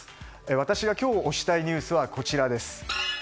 私が今日推したいニュースはこちら。